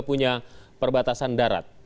punya perbatasan darat